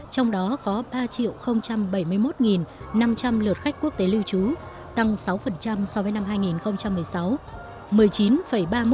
trong đó có ba bảy mươi một năm trăm linh lượt khách quốc tế lưu trú tăng sáu so với năm hai nghìn một mươi sáu